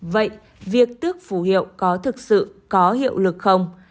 vậy việc tước phù hiệu có thực sự có hiệu lực không